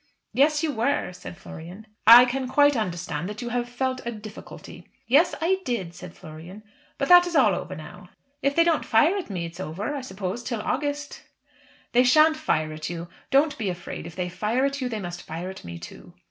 "Yes; you were," said Florian. "I can quite understand that you have felt a difficulty." "Yes, I did," said Florian. "But that is all over now." "If they don't fire at me it is over, I suppose, till August." "They shan't fire at you. Don't be afraid. If they fire at you, they must fire at me too."